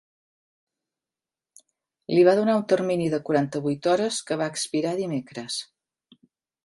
Li va donar un termini de quaranta-vuit hores que va expirar dimecres.